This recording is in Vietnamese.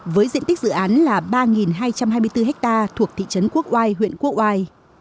với diện tích dự án là ba hai trăm hai mươi bốn ha thuộc thị trấn quốc oai huyện quốc oai